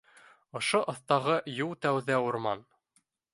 Ошо аҫтағы юл тәүҙә урман